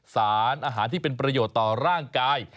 สารอาหารที่เป็นประโยชน์ต่อร่างกาย